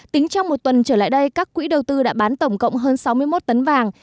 tính trong một tuần trở lại đây các quỹ đầu tư đã bán tổng cộng hơn sáu mươi một tấn vàng